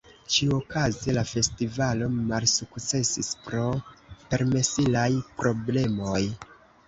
Ĉiuokaze la festivalo malsukcesis pro permesilaj problemoj.